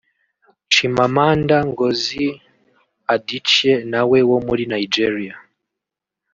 Chimamanda Ngozi Adichie nawe wo muri Nigeria